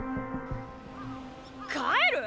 帰る！？